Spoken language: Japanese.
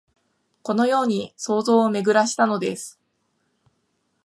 このように想像をめぐらしたのです